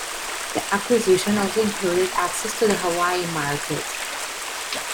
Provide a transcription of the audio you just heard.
The acquisition also included access to the Hawaii market.